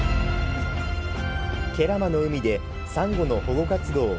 慶良間の海でサンゴの保護活動を